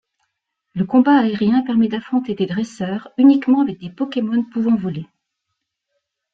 Le combat aérien permet d'affronter des dresseurs, uniquement avec des Pokémon pouvant voler.